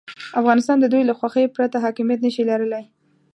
افغانستان د دوی له خوښې پرته حاکمیت نه شي لرلای.